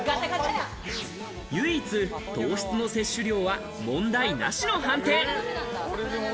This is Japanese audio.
唯一、糖質の摂取量は問題なしの判定。